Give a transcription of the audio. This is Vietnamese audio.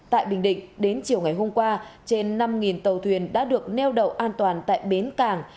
tại bình định đến chiều ngày hôm qua trên năm tàu thuyền đã được neo đậu an toàn tại bến cảng